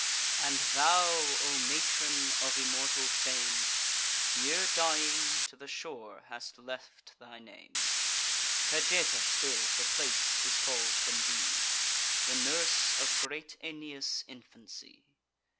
And thou, O matron of immortal fame, Here dying, to the shore hast left thy name; Cajeta still the place is call'd from thee, The nurse of great Aeneas' infancy.